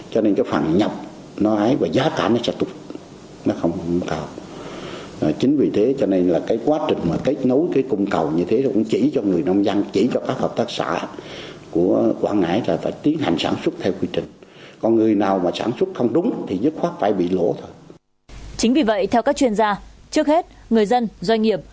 chính vì vậy theo các chuyên gia trước hết người dân doanh nghiệp